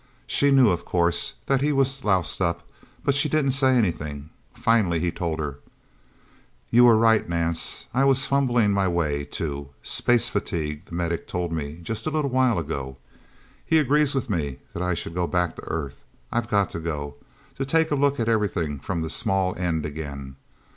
She knew, of course, that he was loused up; but she didn't say anything. Finally he told her. "You were right, Nance. I was fumbling my way, too. Space fatigue, the medic told me just a little while ago. He agrees with me that I should go back to Earth. I've got to go to take a look at everything from the small end, again.